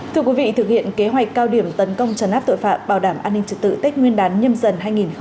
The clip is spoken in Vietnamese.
thưa quý vị thực hiện kế hoạch cao điểm tấn công trấn áp tội phạm bảo đảm an ninh trật tự tết nguyên đán nhâm dần hai nghìn hai mươi bốn